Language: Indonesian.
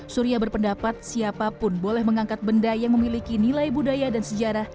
surya berpendapat siapapun boleh mengangkat benda yang memiliki nilai budaya dan sejarah